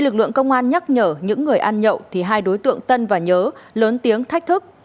công an nhắc nhở những người ăn nhậu thì hai đối tượng tân và nhớ lớn tiếng thách thức